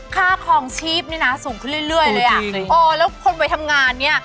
ค่าคลองชีพนี่นะสูงขึ้นเรื่อยเลยอ่ะโอ้แล้วคนไปทำงานเนี้ย